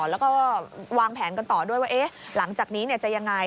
แล้วก็วางแผนกันต่อด้วยว่าหลังจากนี้จะยังไง